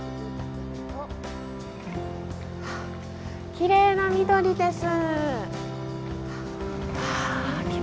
きれいな緑です。